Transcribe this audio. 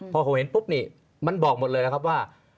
พอผมเห็นปุ๊บนี่มันบอกหมดเลยนะครับว่า